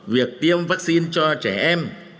việc tiêm vaccine cho trẻ em